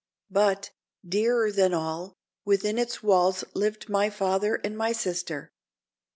But, dearer than all, within its walls lived my father and my sister.